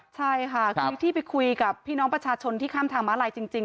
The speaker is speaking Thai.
ใช่ค่ะคือที่ไปคุยกับพี่น้องประชาชนที่ข้ามทางม้าลายจริง